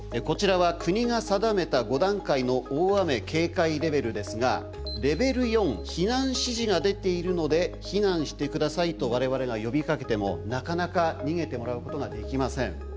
こちらは国が定めた５段階の大雨警戒レベルですが「レベル４避難指示が出ているので避難して下さい」と我々が呼びかけてもなかなか逃げてもらうことができません。